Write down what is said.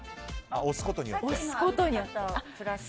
押すことによって。